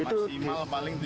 masih malam paling tujuh hari